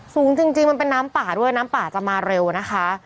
สูงจริงมันเป็นน้ำป่าด้วยน้ำป่าจะมาเร็วนะคะ